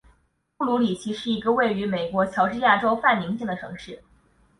布卢里奇是一个位于美国乔治亚州范宁县的城市。